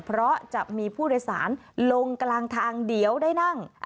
เพราะจะมีผู้โดยสารลงกลางทางเดี๋ยวได้นั่ง